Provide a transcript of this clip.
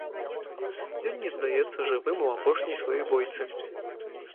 Ён не здаецца жывым у апошняй сваёй бойцы.